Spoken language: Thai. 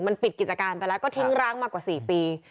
มันปิดกิจการไปแล้วก็ทิ้งร้างมากว่า๔ปี